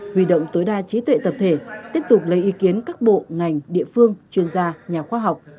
huy động tối đa trí tuệ tập thể tiếp tục lấy ý kiến các bộ ngành địa phương chuyên gia nhà khoa học